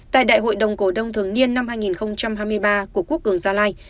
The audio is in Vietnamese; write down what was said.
tại đại hội đồng cổ đông thường niên năm hai nghìn hai mươi ba của quốc cường gia lai